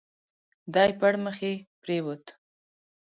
دی پړمخي پرېووت.